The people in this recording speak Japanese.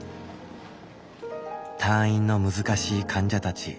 退院の難しい患者たち。